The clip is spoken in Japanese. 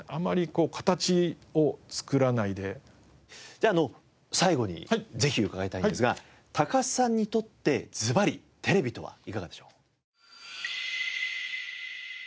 じゃあ最後にぜひ伺いたいんですが高須さんにとってずばりテレビとは。いかがでしょう？